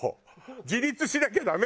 自立しなきゃダメ？